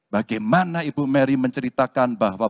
bagaimana ibu mary menceritakan bahwa